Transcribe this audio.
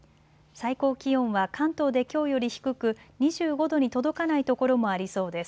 最高気温は関東できょうより低く２５度に届かない所もありそうです。